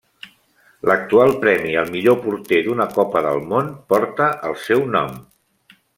L'actual premi al millor porter d'una copa del món porta el seu nom.